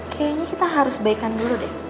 kayanya kita harus baikkan dulu deh